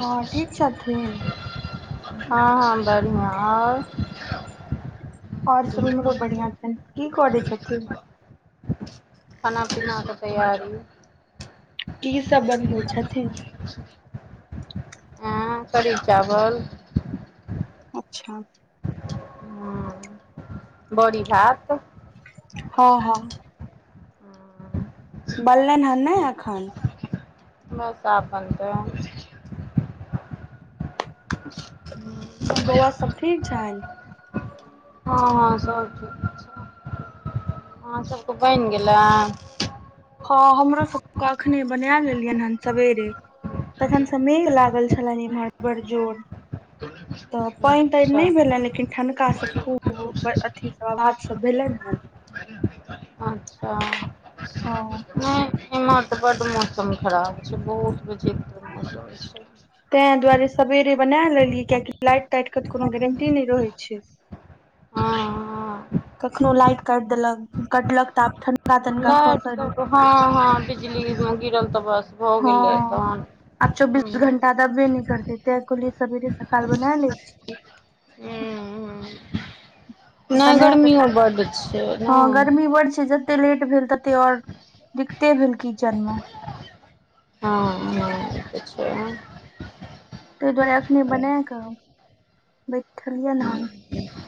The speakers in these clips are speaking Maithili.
हँ ठीक छथिन हँ हँ बढ़िआ ओर सभ हमरो बढ़िआ छै की करे छथ खना पनाकेऽ तैयारी की सब बनबै छथिन हँ कढ़ी चावल अच्छा ह बड़ी भात हँ हँ हम्म, बनेलिय हन नहि एखन बस आब बन तऽ हू [inaudible] बौआ सब ठीक छन हँ हँ सभ ठीक छै अहाँ सभके बैन गेलै हँ हमरो सबके अखने बना लेलियन हेन सवेरे तखन से मेघ लागल छलनि इम्हर बड़ जोर तऽ पानि त अच्छा नहि भेलै लेकिन ठनका से खूब छठी अवाज सब भेल हन अच्छा हँ नग एमत बड मु मौसम खराब छै बहुत बजे मौसम छै तें दुआरे सेवेरे बना लेलियै कियाकि त लाइट ताइट के तऽ कोनो गारंटी नइ रहै छै हँ हँ कखनो लाइट काट देलक कटलक तऽ आब ठणड वातन का लाइट खौसल सब तऽ हँ हँ बिजली गिरल तऽ बस भऽ हँ गेलै तहन आब हूं चौबीस घंटा तब वे न करतेतेै कहलिए सवेरे सकाल बना लै छिय ह तऽ नहि बना गर्मियो बड छै ओ ने निब छै जे तते लेट भेल तते आऔर दिक्कते भेलकिचन मे हँ ह ताहि दुआरे अखनी बना कऽ बैठलियै हन एक [inaudible]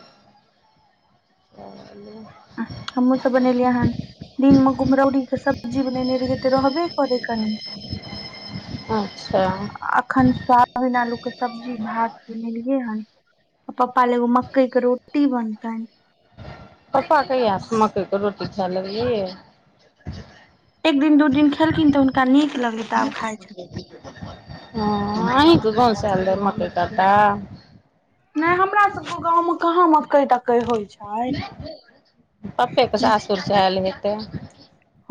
आओल हमहूँ सब बनेलियै हन दिन मे कुमहरौरी के सब्जी बनेने रहिय तऽ रहबे करे अच्छा कनी अखन स्वास ओहिना आलूके सब्जी भात बनेलियै हन पपा ल एगो मकईक रोटी बनतैन पापा किया मकई के रोटी खायए लगलखीन एक दिन दू दिन खेलखिन तऽ हुनका नीक लगलै आब खाय छथिन ह अहेके घर से आइल रहै मके कटा नहि हमरा सबके गाँव में कहाँ मकई तकई होइ छै पप्पे के सासुर स आयल हेतै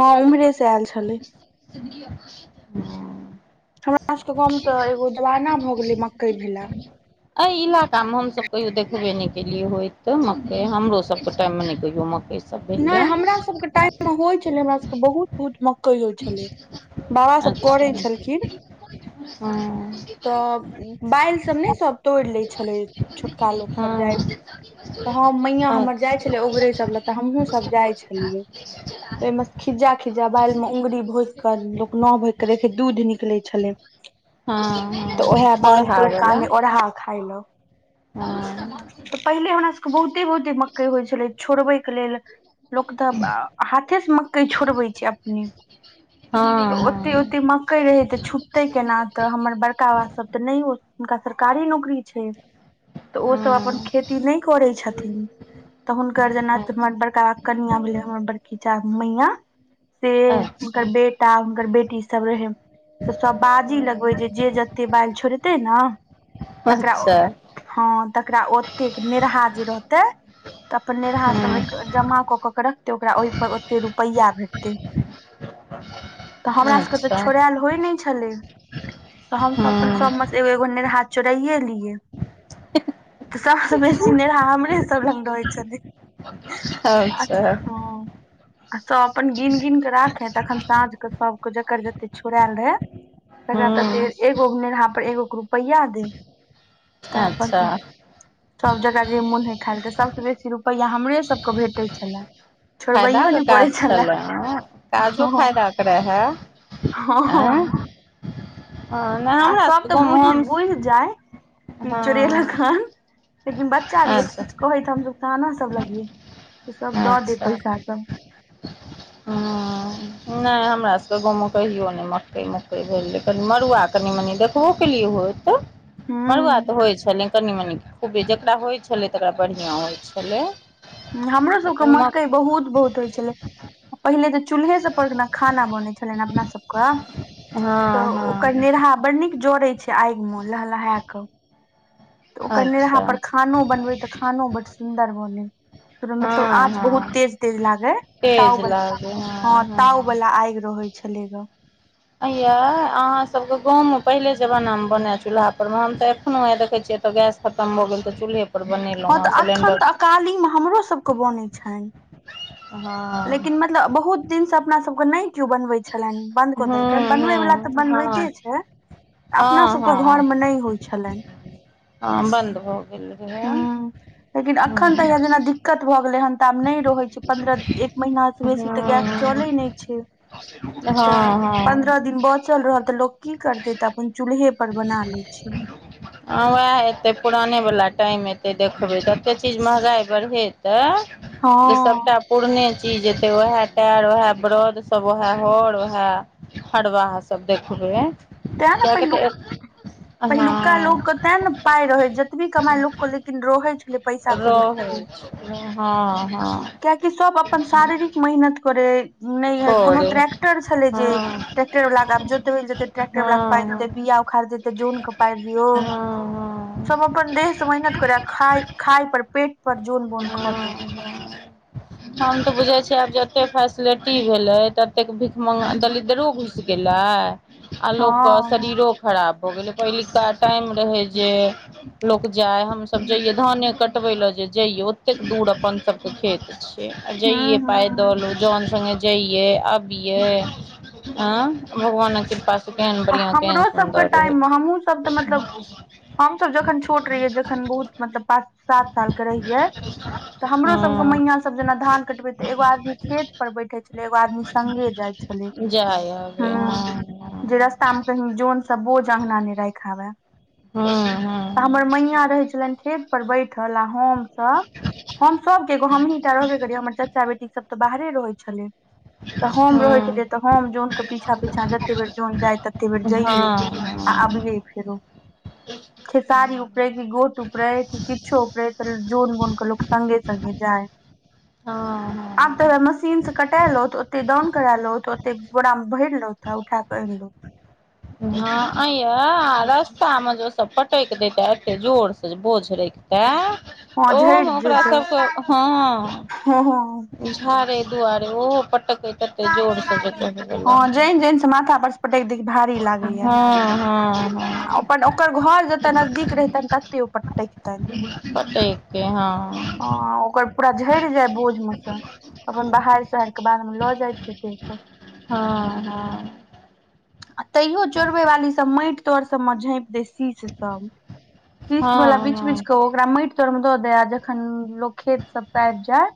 हँ उमरे से आयल छलै जिन्दगी [inaudible] ब हम सबके गम त एगो जवाना भऽ गेले मकई भेला अ इलाका में हम सब कहियो देखबे नहि केलिये होत ते मकई हमरो सब के टाइम मे नहि कहियो मकई नहि हमरा सबके टाइम में होइ छलै हमरा सबके बहुत बहुत मकइो छलै बाबा खेने छलखिन अच्छा तऽ बेल सब नहि सब तोड़ि लै छलै छोटका लोक सब हँ जाइ हँ तऽ ह मैय हमर जाइ अच्छा छलै ओगरे सब ल तऽ हमहुँ सब जाइ छलियै ओहि में खिजा खिज्जा बाल में औगुरी भोक के लोक नाव भोक के देखे दूध निकले छले हँ तऽ ओह हँ बाल तर ओढ़ावला कान ओढ़हा खइल हँ तऽ पहिले हमरा सभके बहुते बहुते मक्कइ होइ छलै छोड़बैके लेल लोक तऽ हाथे से मकइ छोड़बै छै अपने हँ तऽ ओते ओ ते मकइ रहै तऽ छुटतै केना तऽ हमर बड़का बाबा सभ तऽ नहि हुनका सरकारी नौकरी छै तऽ ओसभ हँ अपन खेती नहि करैत छथिन तऽ हुनकर जेना हँ हमर बड़का कनिया भेले हमर बड़कीचा मैया से अच्छा हुनकर बेट हुनकर बेटी सब रहै तऽ सब बाजी लगबै जे जे जते बाल छोड़तै ने हँ तकरा अच्छा हँ तकरा ओतेक नेरहा जे रहते तऽ अपन नेरहा सब जमा कऽ कऽ के रखतै ओकरा ओहिपर ओते रुपैआ भेटतै तऽ हमरा हँ सबके तऽ अच्छा छोड़एल होइ नहि छलै तऽ हमसभ अपन सभमे सँ एगो एगो ने हाथ चोराइए लियै त सम्ते बे सीने र आम रेस रङ्ंग होइै हँ अच्छा अचछा हँ आ सब अपन गिन गिन के राखे तखन साँझ के सबके जकर जते छोड़एल रहे त ते हूँ एगो नेह पर एगोे रुपैआ डी तऽ अपन अच्छा सभ जगह जे मोन हय खायल ते सबस बेसी रुपैआ हमरे सबके भेटैत छलन फायदाक के काज छलै ह हँ काजो फायदा के रह है हँ हँ नहि आ हमरा सब सभके तऽ बुझ गाँवमे बुझ जाइ हम कि हँ चोरेलखन लेकिन बच्चा रे त अच्छा किछ कहे हमस त आना सब लगिय त सब दऽ दे पैसा सब ह नहि हमरा सबके गाँवमे कहियो नहि मक्कइ मकइ भेलै कनि मड़ुआ कनि मनि देखबो केलियए होते मरआ हूँ त होइ छै लि कनी मनी खूबे जकरा होइत छलै तकरा बढ़िआं होइत छलै हमरो सबके लेकिन म मकई बहुत बहुत होइ छलै पहिनेे तऽ चूल्हे सब पर ने खाना बनै छलनि अपना सबके तऽ हँ ओकर हँ नेहा बड़ नीक जड़ैत छै आग मे लहलहा कऽ तऽ ओकरने रह अच्छा पर खानो बनबै तऽ खानो बड सुन्दर बनै मतलब हँ आँच बहुत हँ तेज तेज लागे त तेज ब लागै ह हँ त हँ वला आगि रहै छलै ग ये अहाँ सबके गाँवमे पहिले जमानामे बन चूल्हाप पर मे हम तऽ एखनो आ देखै छियै तऽ गैस खतम हो गेल त चूलहे पर बनेलहुँ हँ तऽ अखन सिलेंडर तऽ अकाली मे हमरो सब के बन छनि लेकिन हँ मतलब बहुत दिन से अपना सबके नहि केो बनबे छलनि बंद कऽ देलकनि हूँ बनबे वालला हूँ तऽ बनबते छै हँ अपनासभके हँ हँ घरमे नहि होइत छलैन हँ बन्द हो गेल ल जे हूँ लेकिन एखन तऽ जेना दिक्कत भऽ गेलै हन तऽ आब नहि रहैत छै पन्द्रह एक महिना से बेसी तऽ गैस हूँ चले नहि छै हँ तऽ हँ पन्द्रह दिन चल रहल तऽ लोक की करते तऽ अपन चूल्हे पर बना ले छै हँ वएह एेतै पुरानेवला टाइम एतै देखबै ततेक चीज महँगाइ बढ़ेतै हँ ई सब तऽ पुरने चीज एेते वएह टार वएह ब्रद सब वएह हर वएह हरवहा सब देखब तें ने पहिलुक पहिलुका हँ लोक तें ने पााय रहै जतबी कमााय लोकके लेकिन रहै छलै पैसा कड़ी खू रहै हँ हँ कियकि सभ अपन शारीरिक मेहनत करै नहि हइ कोनो करे ट्रैक्टर छलै जे हँ ट्रै्टरला आब जोतै ल जेतै हँ ट्रैक्रलला के पा हँ देतै बिया उखड़ि देतै जौनके पाइ दियौ हँ सब अपन देह से मेहनत करे आ खाय खाय पर पेट पर जोन बोन खटे हम हम तऽ बुझै छिय आब जत फैसिलट ी भेले त एतेक भीख मंग दलिदरो घुस गेले आ लोकके हँ शरीरो खराब भऽ गेलै पहिलुका टाइम रहै जे लोक जाय हमसभ जइये धाने कटबे लए जे जइये ओतेक दूर अपन सबके खेत छै जे इए हूँ पा हूँ दल जन से जइे अबिये ह भगवान कृपा से कन बढ़ििया कन हमरो सबके सुदर रह हमस जखन छोट रहियै जखन बहुत मतलब पाँच सात साल के रहियै तऽ हमरो सब के मैया हँ सब जेना धान कटे ते एगो आदमी खेत पर बैठे छल एगो आदमी संगे जाइ छलै जाय ह आबै हँ जे रास्ता में कही जोन से बोझ अंगगना ने राख आबे हँ हँ हमर मैय रहै छलनि खेत पर बैठल आ हम सब हम सब के एगो हमहटा रहबे करिय हमर चाचा बेटी सब तऽ बाहरे रहै छलै तऽ हम रहै हँ छलियै तऽ हम जन के पीछा पीछा जते बेर जाइ तऽते फेर जाइए हँ अबियए फेरो ह [inaudible] खेसारी उऊपरे कि गोट उपरे कि किछो उऊपरे त जोन बोन के लोको सगे स्गे जाय [inaudible] हँ आब तऽ मशीन से कटेलो तऽ ओते दउन करेलो त ओते घोड़ा मे भरलो उठा कल [inaudible] हँ आ य आ रास्ता मे जे ओ सब पटक देता एते जोर से बोझ ल त हँ ओहोमे झड़ि ओकरा जेतौ सबके हँ हँ हँ झाड़े दुआरे ओहो पटक हँ जैन जैन से माथा पर पटक द भारी लागे हँ या हँ हँ अपन ओकर घर जते नजदीक रहतनि तत्ते पट्टे खितनि पटैके हँ अ ओकर पूरा झड़ जाय बोझ में से अपन बहार सोहार के बाद में लो जा ठा [inaudible] हँ हँ आ तैयो चोरबे वाली सब मैट तर सब में झाँप देस शी शीस बला हँ बीच हँ बीच क ओकरा मैट तोर में दऽ दे आ जखन लोग खेत सब से आब जाय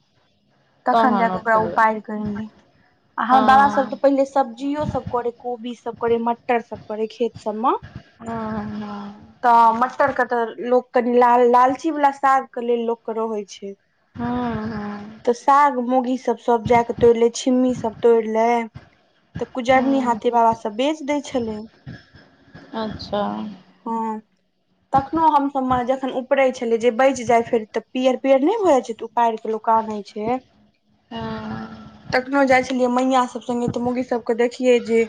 तखन जा तहन कऽ ओकरा उठबै उपार कर ले आ हमर बाबा सभ तऽ हँ पहिले सब्जियो सब करे कोबी सब करे मटर सब करे खेत सब मे हँ हँ तऽ मटर के तऽ लोक कनि लाल लालची वला साग के लेल लोकके रहै छै हँ हँ तऽ साग मौगी सब सब जा कऽ तोड़ि लै छिम्मी सब तोड़ि लै तऽ कुजरनी हँ हाथे बाबा सब बेच दै छलै अच्छा हँ तखनो हमसभ म जखन उपरै छलै जे बचि जाय फेर तऽ पियर पियर नहि भ जाय छै उपायर के लोक आनै छै हँ कखनो जाय छलियै मैया सब संगे तऽ मौगी सबके देखियै जे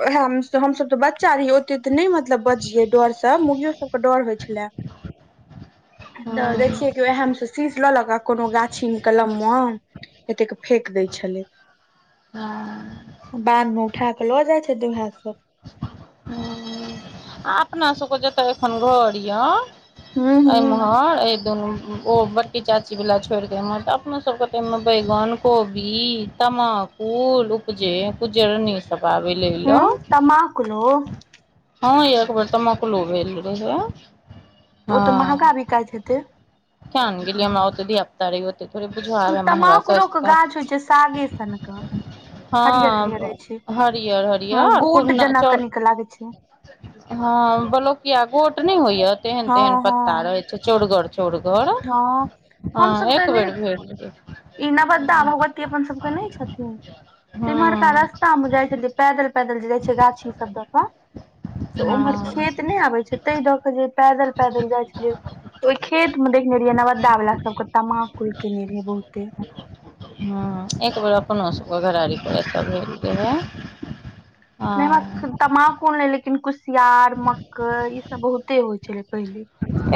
उएह हमसभ तऽ बच्चा रहिय ओतेक तऽ नहि मतलब बजियै डरसँ मौगियो सबके डर होय छलेए हँ तऽ हँ देखिए क उहेएमे सु सीस लऽ लऽ क आ कोनो गाछी कलमम एतेक के फेेक दै छलै हँ बाद मे उठा क लऽ जाय छथि उहाए सब हू आ अपनासभके जतय एखन घर यए हूं ए हूं एम्हर एहि दुनू ओ बट्टी चाचीवाला छोड़ि देऽमे तऽ अपनो सबके त अयमे बैगन कोबी तमाकु कुल उपजे कुजरनी सब आबै लै ल तमा कुलो हँ यै एकबेर तमाकुलो भेल रहै तऽ उ तऽ महगा बिकाइत हेतै केएन गेलियै हम धिया पुता रहियै थोड़े बुझ आबै महांगा तमाकुलो के सस्ता गाछ होइ छै सागे सनके हरियर हरियर हँ होइ छै हरिअर हँ हरिअर खूब गोट जेना नचौ कनिक लागै छै ह बलौकिया गोट नहि होइया तेहन हँ तेहन हँ पत्ता रहे छै चौरगर चौरगर हँ हमसब तऽ एनेरे भेट गेल। इनवाद्दा भगवती अपन सबके नहि छथिन तऽ इमहरका हँ हँ रस्ता मे जायछथि पैदल पैदल जे जाय छै गाछी सब दऽ कऽ तऽ उम्हर हँ खेत नहि आबै छै ताहि दऽ के जे पैदल पैदल जाय छलियै तऽ ओहि खेत केने रहियै नवद्दा वाला सब के तमाकुल किनै रहै बहुते ह एक बेेर अपनो सबके घरारी प एल रहे नहि हमरा तमाकूल नै लेकिन कुसियार मक्कई ई सब बहुते होय छलै पहिले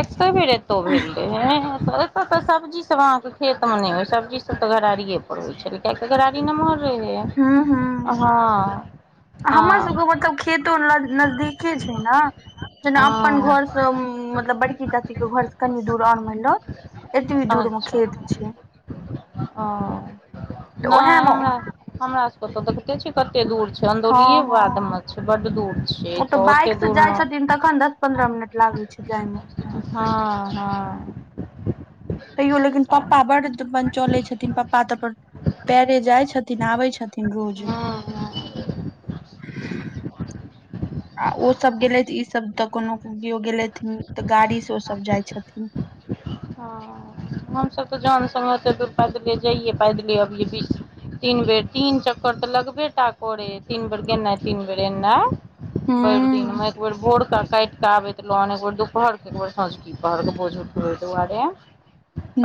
एके बेर एतौ भेल रहै एतय तऽ सब्जी सब अहाँके खेत मे नहि होय सब्जी सब तऽ गरारिए पर होय छलै कियाकि गरारी नमहर रहैय हँ हँ हँ आ हमर सबके मतलब खेतो नज नजदीके छै न जेना अपन हँ घर से मतलब बड़कीचाची क घरसँ कनि दूर आओर मानि लौत एतबी दूरमे अच्छा खेत छै हँ तऽ नहि उहेमे हमरा हमरा सब के त देखते छी कते दूर छै हँ अंदौलिये हँ बाद में छै बड दूर छै ओ तऽ बाइक ओते से दूर जाय मे छथिन तखन दस पन्द्रह मिनट लागै छै जाय मे हँ हँ तैयो लेकिन हँ पप्पा बड़ अपन चलै छथिन पप्पा तऽ अपन पैरे जाय छथिन आबै छथिन तिन रोज आ ओसभ गेलथि ईसभ तऽ कोनो केओ गेलथिन तऽ गाड़ी से ओ सभ जाय छथिन ह हमसभ तऽ जोन सङ्गे ओते दुर पैदले जाइयै पैदले अबियै बी तीन बेर तीन चक्कर तऽ लगबे टा करे तीन बेर गेनाइ तीन बेर एनाइ भैड़ दिन हूँ मे एक बेर भोर क काटि अतबै तऽ लोन एक बेर दुपहरके एक बेर सझुकी पहरके बोझ उठबै दुआरे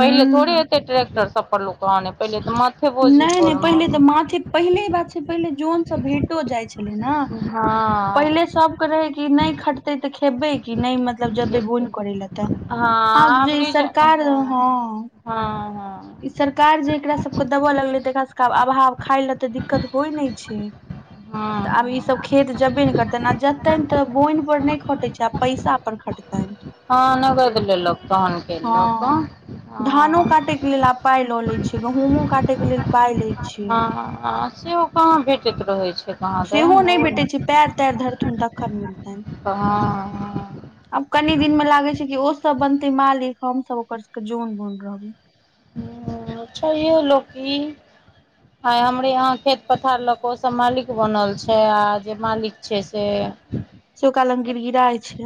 पहिले थोड़े एते ट्रैक्टर सब पर लोक आनै पहिले तऽ माथ नहि नहि पहिले तऽ माथे पहिले बात छै पहिले जोन से भेंटो जाय छै हँ पहिले सबके रहै कि नहि खटतै तऽ खेबै कि नहि मतलब जबै बोन करै लए तऽ हँ अब आब जी रिज सरकार हँ हँ हँ सरकार जे एकरा सबके देबऽ लगलै तऽ एकरा सबके आब अभाव खाय ले तऽ दिक्कत होइ न छै हँ तऽ आब ई सब हँ खेत जबे ने करतै नजत त त बोइन पर नहि खटे छै पैसा अपन खटै हँ नहिग देल लोक फन क लोक हँ धानो काटयके ह लेल आब पाइ लऽ ले छिय गहुमो काटे के लेल पाय ले छियै से कहाँ भेटैत रहैत छै कहाँ सेहो नहि भेटैत छै दुन पैर तैर धड़ त हन त खन मिलै ह [inaudible] आब कनि दिन मे लागे छै कि ओसभ बनते मालिक हमसभ ओकर सबके जोन बुन रहबै ह छैहे लोकी आ हमरे यहा खेत पथार ल के सब मालिक बनल छै आ जे मालिक छै से से ओकरा लग गिर गिराय छै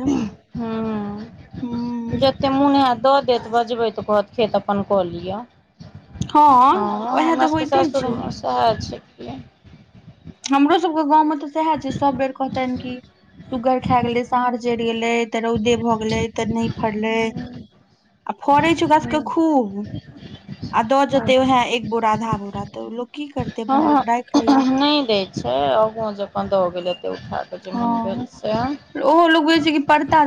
ह एतेक मोँन ह दऽ देत बजबै तऽ कहत खेत अपन कऽ लिअ हँ उएह हमरा तऽ सबके होइते सासुर छै सएह छै हमरो सबके गाँव में तऽ सएह छै सब बेर कहतेन कि सुगर खा गेले सड़ जड़ गेलै तऽ रौदे भऽ गेले तऽ नहि फड़ले आ फड़े छै गाछ के खूब आ दऽ जेते उएहे एक बोरा आधा बोरा तऽ लोक की करत हँ नहि दे छै आगू जे अपन द हो गेलैते उठाक जे मन हँ भेल से ओहो लोग जेझ छै कि पड़ता